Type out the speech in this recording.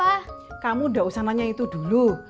kamu udah usah nanya itu dulu kamu udah usah nanya itu dulu